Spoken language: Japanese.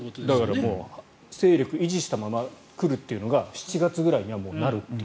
だから、勢力を維持したまま来るというのが７月ぐらいにはなるっていう。